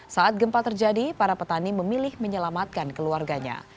saat gempa terjadi para petani memilih menyelamatkan keluarganya